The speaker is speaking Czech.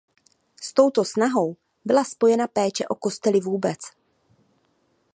S touto snahou byla spojena péče o kostely vůbec.